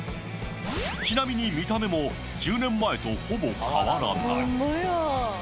ちなみに見た目も１０年前とほぼ変わらない。